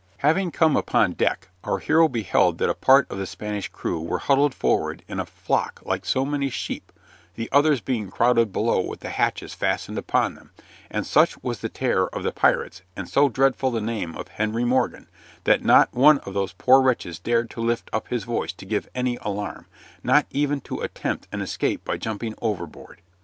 Having come upon deck, our hero beheld that a part of the Spanish crew were huddled forward in a flock like so many sheep (the others being crowded below with the hatches fastened upon them), and such was the terror of the pirates, and so dreadful the name of Henry Morgan, that not one of those poor wretches dared to lift up his voice to give any alarm, nor even to attempt an escape by jumping overboard.